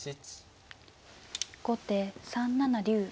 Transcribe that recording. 後手３七竜。